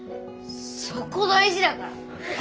そこ大事だから。